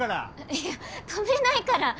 いや泊めないから。